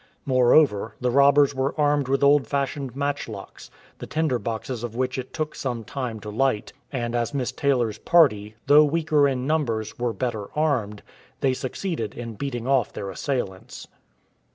Moreover, the robbers were armed with old fashioned matchlocks, the tinder boxes of which it took some time to light, and as Miss Taylor's party, though weaker in numbers, were better armed, they succeeded in beating off their assailants.